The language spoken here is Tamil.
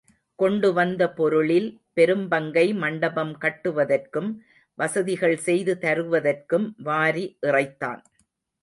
கொண்டு வந்த பொருளில் பெரும்பங்கை மண்டபம் கட்டுவதற்கும், வசதிகள் செய்து தருவதற்கும் வாரி இறைத்தான்.